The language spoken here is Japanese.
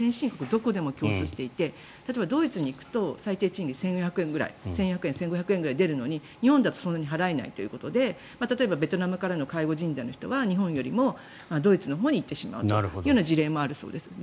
どこでも共通していて例えばドイツに行くと最低賃金１５００円くらい１４００円、１５００円ぐらい出るのに日本だとそんなに払えないということでベトナムからの介護人材の人は日本よりもドイツのほうに行ってしまうという事例もあるそうです。